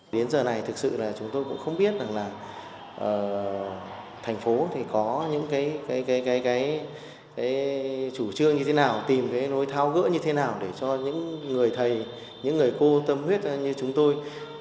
đến giờ này thực sự là chúng tôi cũng không biết rằng là thành phố thì có những cái chủ trương như thế nào tìm cái nối thao gỡ như thế nào để cho những người thầy những người cô tâm huyết như chúng tôi